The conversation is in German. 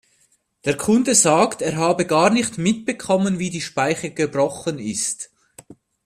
Der Kunde sagt, er habe gar nicht mitbekommen, wie die Speiche gebrochen ist.